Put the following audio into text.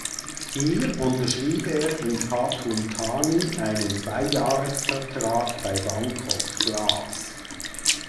Hier unterschrieb er in Pathum Thani einen Zweijahresvertrag bei Bangkok Glass.